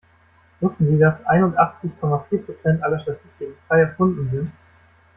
Wussten Sie, dass einundachtzig Komma vier Prozent aller Statistiken frei erfunden sind?